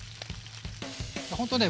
ほんとね